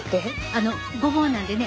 あのごぼうなんでね